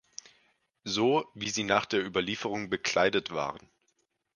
So wie sie nach der Überlieferung bekleidet waren.